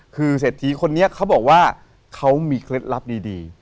คือเศรษฐีคนนี้เขาบอกว่าเขามีเคล็ดลับดี